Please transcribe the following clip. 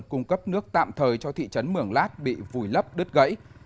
cung cấp nước tạm thời cho thị trấn mường lát bị vùi lấp đứt gãy